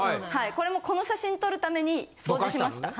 これもこの写真撮るために掃除しました。